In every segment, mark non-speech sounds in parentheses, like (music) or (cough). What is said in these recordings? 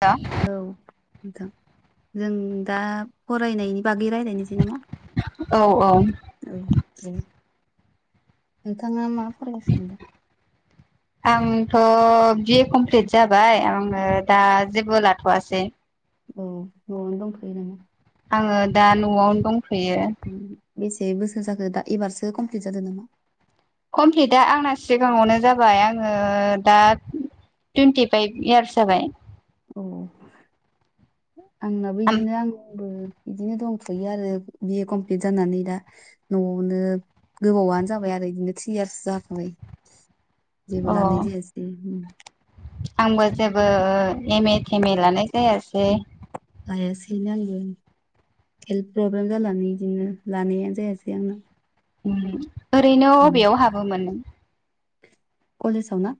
दा नोंथां जों दा फरायनायनि बागै रायज्लायनोसै नामा? औ औ औ दे नोंथाङा मा फरायरायगासिनो दं? आंथ' बिए कमप्लिट जाबाय आङो दा जेबो लाथ'वासै । औ न'आवनो दंखायो नामा? आङो दा न'आवनो दंफैयो। बेसे बोसोर जाखो दा एबारसो कमप्लिट जादों नामा? कमप्लिटा आंना सिगाङावनो जाबाय आङो दा। टुन्टि फाइभ इयार्स जाबाय। औ आंनाबो आम बिदिनो आं आंबो बिदिनो दंथ'यो आरो बिए कमप्लिट जानानै दा न'आवनो। गोबावानो जाबाय आरो बिदिनो थ्रि यार्स जाखाबाय अ जेबो लानाय जायासै । आंबो जेबो एम ए थेम ए लानाय जायासै। बेनो आंबो हेल्थ प्रब्लेम जानानै बिदिनो लानायानो जायासै आंना। ओरैनो बबेयाव हाबोमोन नों? कलेजआवाव ना?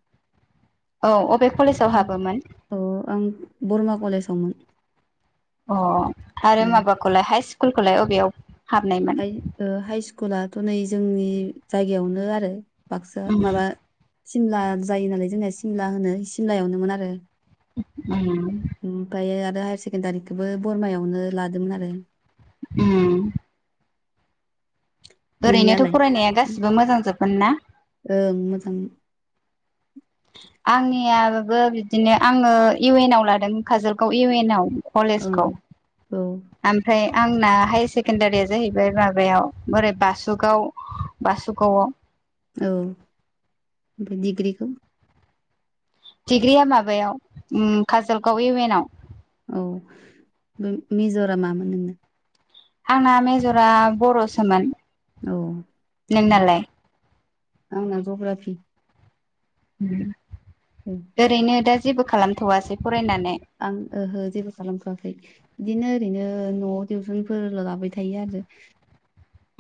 औ अबे कलेजाव हाबोमोन औ आं बरमा कलेजावमोन । अ आरो माबाखौलाय हाइ स्कुलखौलाय अबेयाव। हाबनायमोन ह हाइ स्कुलाथ' नै जोंनि जायगायावनो आरो। बाक्सा उम माबा सिमला जायो नालाय जोंनिया सिमला होनो सिमलायावनोमोन आरो। उम ओमफायो हायार सेकेण्डारिखौबो बरमायावनो लादोंमोन आरो। उम ओरैनोथ' नोंनियालाय फरायनाया गासिबो मोजां जोबगोन ना? ओं मोजां याबो बिदिनो आङो इउ एन आव लादों खाजोलगाव इउ एन आव औ कलेजखौ औ आमफ्राय आंना हाइ सेकेनडारिया जाहैबाय माबायाव बोरै बासुगाव बासुगावाव। औ ओमफाय डिग्रिखौ? डिग्रिया माबायाव उम खाजोलगाव इउ एनाव। औ बै मेज'रा मामोन नोंना? आंना मेजरा बर'सोमोन। औ उम। नोंनालाय? आंना जग्राफि। उम ओरैनो दा जेबो खालामथ'वासै ब' आं ओहो जेबो खालामथ'वाखै। बिदिनो ओरैनो न'आव टिउसनफोरल' लाबाय थायो आरो।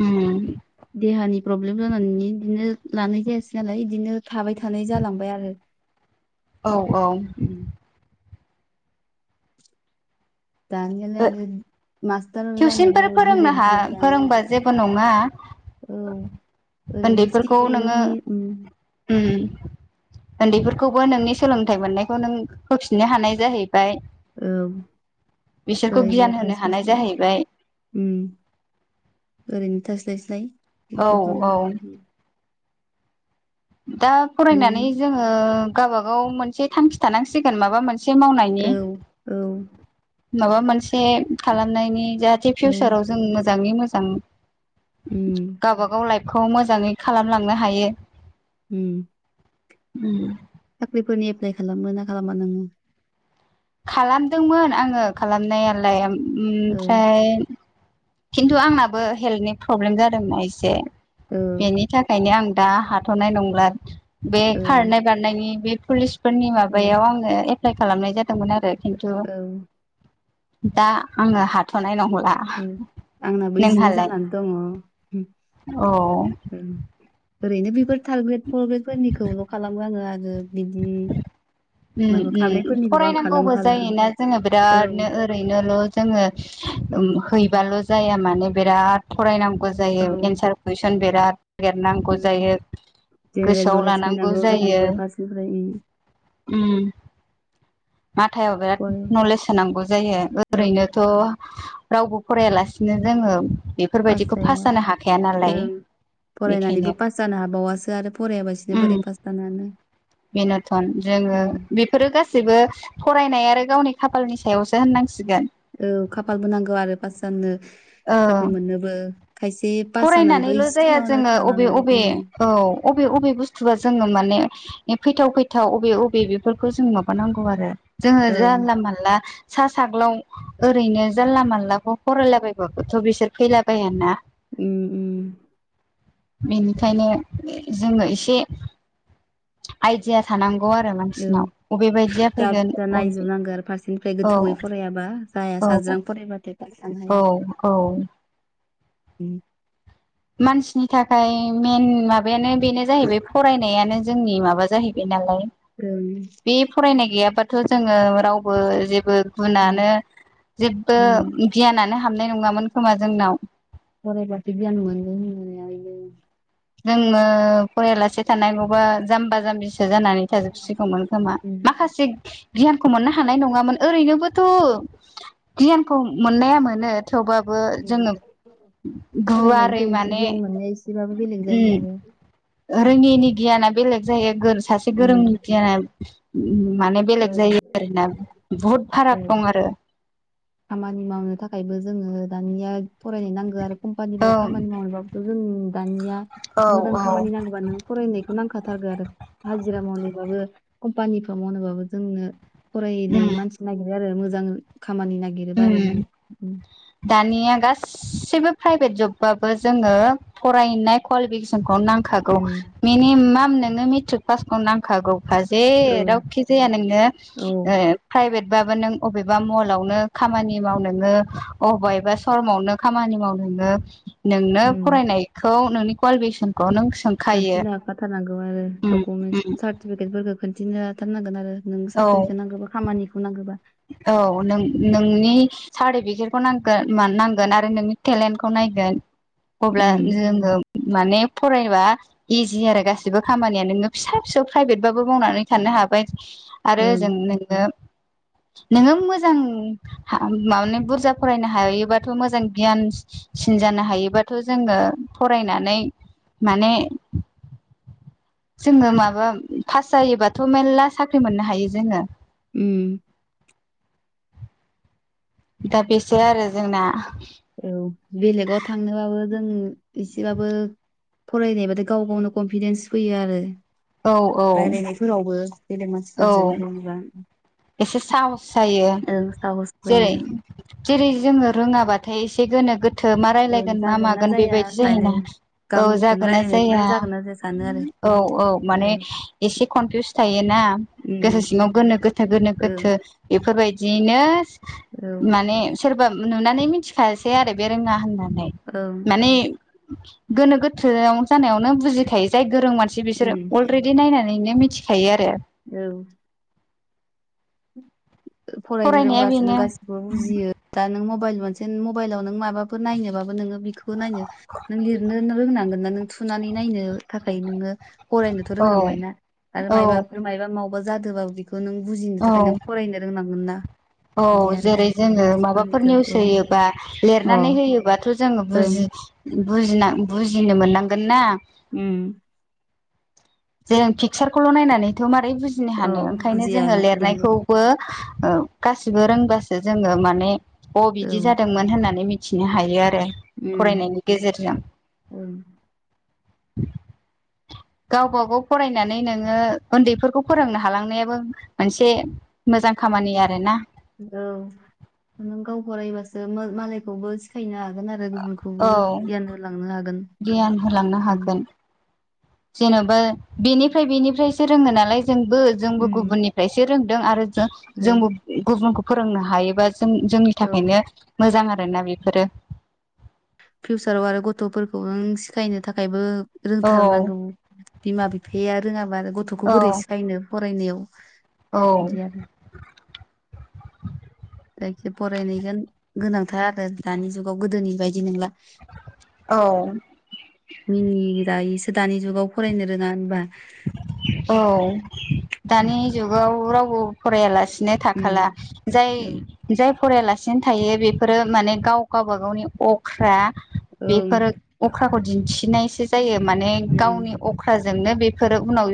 उम देहानि प्रब्लेम जानानैनो इदिनो लानाय जायासै नालाय इदिनो थाबाय थानाय जालांबाय आरो। औ औ। उम दानियालाय आरो मास्टार जानोबो थिउसनफोर फोरोंनो बिलेद हा बिलेद फोरोंबा लानांगौ जेबो नङा। औ ओरैनो इसे उन्दैफोरखौ एनै नोङो इदि उम। उम ओन्दैफोरखौबो नोंनि सोलोंथाइ मोननायखौ नों होफिननो हानाय जाहै ओम। बिसोरखौ ओइनो गियान होनो थास्लाय हानाय स्लाय जाहैबाय उम। ओरैनो थास्लाय स्लाय औ बेफोरखौनो औ उम। दा नों फरायनानै जोङो गाबागाव मोनसे थांखि थानांसिगोन माबा मोन औ औ। माबा मोनसे खालामनायनि जाहाथे औ फिउसाराव जों मोजाङै मोजां उम गावबागाव लाइफखौ मोजाङै खालामलांनो हायो। उम। उम। साख्रिफोरनि एप्लाइ खालामो ना खालामा नोङो? खालामदोंमोन आङो खालामनायालाय ओम औ ओमफ्राय खिन्थु आंनाबो हेल्तनि फ्रब्लेम जादोंना एसे, औ बेनि थाखायनो आं दा हाथ'नाय नंला बे औ खारनाय बारनायनि बे पुलिस फोरनि औ माबायाव आङो एप्लाइ खालामनाय जादोंमोन आरो। खिन्थु औ। दा आङो हाथ'नाय नं ओं आंनाबो इदिनो जानानै दङ उम। औ। ओरैनो before third grade four grade फोरनिखौल' खालामो आङो आरो बिदि उम माबा उम खारनायफोरनिखौ आं फरायनांगौबो खालामखाला जायोना जोङो औ बिरादनो ओरैनोल' जोङो उम ओम हैबाल' जाया माने बिराद फरायनांगौ औ जायो एन्सार कुइसन बिराद नागेरनांगौ उम जायो जेनेरेल गोसोआव नलेज लानांगौ नायनांगौ जायो। फारसेनिफ्राय उम उम माथायाव फराय बेराद नलेज सोनांगौ जायो। औ ओरैनोथ' रावबो फरायालासिनो जोङो बेफोरबायदिखौ पास जानो हाखाया नालाय। ओं बेखायनो फरायनानैबो पास जानो हाबावासो आरो फरायाबासिनो उम बोरै पास जानो हानो? बेनोथन जो ङो उम बेफोरो गासैबो फरायनाय आरो गावनि खाफालनि सायावसो होननांसिगोन। औ खाफालबो नांगौ आरो पास जाननो ओ साख्रि मोननोबो खायसे पास जानानैबो फरायनानैल' जाया इसेयावनो जोङो अबे थालाङो। अबे उम औ अबे अबे बुस्थुवा जोङो माने फैथाव-फैथाव अबे-अबे बेफोरखौ जों माबानांगौ आरो जोङो औ जानला मानला सा साग्लाव ओरैनो जानला मानलाखौ फरायलाबायबाबोथ' बिसोर फैलाबायाना। उम-उम बेनिखायनो जोङो एसे आइडिया थानांगौ। आरो औ मानसिनाव बबे बायदिया फैगोन जाबुजा बबे नायजोबनांगौ आरो फारसेनिफ्राय औ गोथौयै फरायाबा जाया। औ साज्रां फरायबाथाय पास जानो औ हाया। औ उम मानसिनि थाखाय मेन माबायानो बेनो जाहैबाय फरायनायानो जोंनि माबा माबा जाहैबाय नालाय बे फरायनाय गैयाबाथ' जोङो रावबो जेबो जेबो गुनानो जेबो उम गियानानो हाबनाय नङामोन खोमा जोंनाव‌। गरायबादि गियान (unintelligible) जोङो फरायलासे थानाय गौबा जाम्बा जाम्बि सो फसो जानानै थाजोबसिगौमोन खोमा माखासे गियानखौ मोननो हानाय नङामोन ओरैनोबोथ' गियानखौ मोननाया मोनो थेवबाबो जोङो गुवारै फरायनायनिफ्राय माने गियान मोननाया एसेबाबो बेलेग जायो उम आरो रोङिनि गियाना बेलेग जायो गोर सासे गोरोंनि उम गियाना माने औ बेलेग जायो आरोना बहुद औ फाराग दं आरो। खामानि मावनो थाखायबो जोङो दानिया फरायनाय नांगो आरो कम्पानिफोराव खामानि मावनोबाबोथ' जों दानिया मोजां औ खामानि नांगौबा नों फराय फरायनायखौ नांखाथारगो आरो हाजिरा मावनोबाबो कम्पानिफोराव मावनोबाबो जोंनो फरायनाय उम मानसि नागिरो आरो मोजां खामानि नागिरोबा आरो नों उम दानिया गासिबो प्राइभेट जबबाबो जोङो फरायनाय कुवालिफिकेसनखौ नांखागौ उम, मिनिमा नोनो मेट्रिक पासखौ नांखागौखा औ जेरावखि जाया नों औ ओ प्राइभेट बाबो नों अबेबा मलावनो खामानि माव नोङो अबेबा एबा सरमावनो खामानि माव नोङो नोंनो उम फरायनायखौ नोंनि कुवालिफिकेसन खिन्थिनो हाखाथारनांगौ आरो उम उम डकुमेन्ट सार्टिफिकेटफोरखौ खिन्थिनो हाथारनांगोन आरो। नों औ साख्रिखो नांगौबा खामानिखौ नांगौबा। औ नों ओम नोंनि सा केटखौ नांगोन मा नांगोन आरो नोंनि टेलेन्टखौ नायगोन अब्ला ओं जोङो माने फरायबा इजि आरो गासिबो खामानिया नोङो फिसा-फिसौ प्राइभेटबाबो मावनानै थानो हाबाय। आरो जों नोंनो नोङो मोजां हा बुरजा फरायनो हायोबाथ' मोजां गियान सिन जानो हायोबाथ' जोङो फरायनानै माने जोङो माबा पास जायोबाथ' मेर्ला साख्रि मोननो हायो जोङो। उम दा बेसो आरो जोंना औ बेलेगाव थांनोबाबो जों इसेबाबो फरायनायबाथाय गाव गावनो कनफिदेन्स फैयो आरो। औ औ रायलायनायफोरावबो गेदेर औ मानसिफोरजों जेनेबा एसे साहस जायो ओं साहस फैयो जेरै-जेरै जोङो रोङाबाथाय एसे गोनो-गोथो मा ओं रायलायगोन मा जागोन ना मागोन जाया बेबायदि सानो जायोना औ गावनिखौनो जागोना जाया रायलायनायखौनो जागोन ना जाया सानो आरो औ-औ औ माने एसे कनफिउस थायोना उम गोसो सिङाव गोनो गोथो गोनो ओं गोथो बेफोरबायदियैनो औ माने सोरबा नुनानै मिथिखासै आरो बे रोङा होननानै ओं माने गोनो गोथो जानायावनो बुजिखायो जाय गोरों मानसि बिसोरो उम अलरेडि नायनानै ओरैनो मिथिखायो आरो औ फरायनो फरायनाया रोंबासो नों बेनो गासिखौबो बुजियो दा नों मबाइल बांसिन मबाइलआव नों माबाफोर नायनोबाबो नोङो बिखौ नायनो नों लिरनो नों रोंनांगोन ना नों थुनानै नायनो थाखाय नोङो। फरायनोथ' औ रोंनांबायना आरो औ माबाफोर माबा मावबा जादोंबाबो बेखौ नों बुजिनो औ थाखाय नों फरायनो रोंनांगोन ना? औ बिदि आरो जेरै जोङो माबाफोर निउसफोरनिखौ निउस ओं होयोबा अ लिरनानै होयोबाथ जोङो ओं बुजिनो मोननांगोन ना? उम जों पिकचारखौल' नायनानैथ' मारै बुजिनो औ हानो ओंखायनो जोङो बुजियाना लिरनाय लिरनायखौबो औ गासिबो रोंबासो जोङो माने अ औ बिदि जादोंमोन होननानै मिथिनो हायो आरो उम फरायनायनि गेजेरजों ओं गावब गाव फरायनानै नोङो उन्दैफोरखौ फोरोंनो हालांनायाबो मोनसे मोजां खामानि औ आरोना नों गाव फरायबासो मालायखौबो सिखायनो हागोन आरो गुबुनखौबो औ गियान होलांनो हागोन। गियान होलांनो हागोन जेन'बा बेनिफ्राय बेनिफ्रायसो रोङो नालाय जोंबो जोंबो उम गुबुननिफ्रायसो आरो जों जोंबो गुबुनखौ फोरोंनो हायोबा जों जोंनि औ थाखायनो मोजां आरोना बेफोरो फिउचाराव आरो गथ'फोरखौ नों सिखायनो थाखायबो औ रोंथारनांगौ बिमा बिफाया रोङाबा आरो गथ'खौ बोरै औ सिखायनो फरायनायाव बिदि आरो औ जायखिजा फरायनांयगोन गोनांथार आरो दानि जुगाव गोदोनि बायदि नंला। औ मिनि जायोसो दानि जुगाव फरायनो रोङा होनबा। औ दानि जुगाव रावबो फरायालासि नो थाखाला उम जाय औ जाय फरायलासिनो थायो बेफोरो माने गाव गावबा गावनि अख्रा ओं बेफोर अख्राखौ दिन्थिनायसो जायो माने उम गावनि अख्रा जोंनो बेफोरो उनाव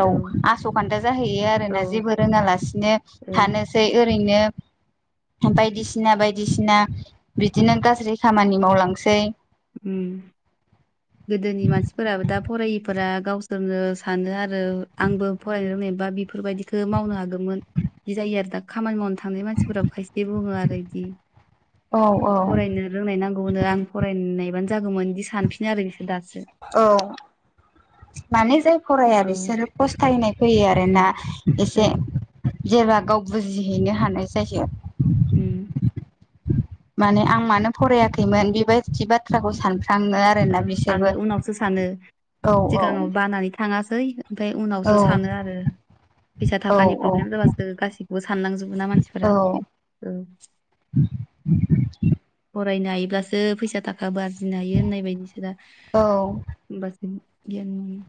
औ आस' खान्था जाहैयो औ आरोना ओं जेबो रोङालासिनो थानोसै ओरैनो। बायदिसिना बायदिसिना बिदिनो गाज्रि खामानि मावलांसै। उम गोदोनि मानसिफोराबो दा फरायिफोरा गावसोरनो सानो आरो आंबो फरायनो रोंनाय बा बेफोरबायदिखौ मावनो हागौमोन बिदि जायो आरो दा खामानि मावनो थाखाय थानाय मानसिफोराबो खायसे बुङो आरो बिदि औ औ फरायनो रोंनाय नांगौनो आं फरायनायबानो जागौमोन बिदि सानफिनो आरो बिसोर दासो। औ माने जे फराया औ बिसोरो फस्थायनाय फैयो उम आरोना औ एसे। जेब्ला गाव बुजिहैनो हानाय जायो। उम माने आं मानो फरायाखैमोन बेबायदि बाथ्राखौ सानो। सानो आरोना ओं बिसोरबो सानो उनावसो सानो औ औ सिगाङाव बानानै थाङासै ओमफ्राय औ उनावसो सानो आरो फैसा औ थाखानि प्रब्लेम जाबासो गाैखौबो साननांजोबो ना मानसिफोरा औ (unintelligible) (inaudible) फरायनो हायोब्लासो फैसा थाखा आरजिनो हायो होननाय बायदिसोना औ होनबासो उम गियान मोनो।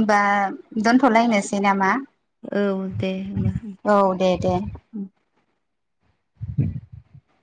होनबा दोनथ'लायनोसै नामा? औ दे होमबा औ दे दे उम (inaudible)